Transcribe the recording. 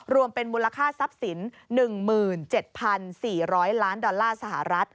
รวมเป็นมูลค่าทรัพย์สิน๑๗๔๐๐ล้านดอลลาร์สหรัฐ